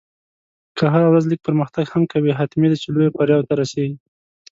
که هره ورځ لږ پرمختګ هم کوې، حتمي ده چې لویو بریاوو ته رسېږې.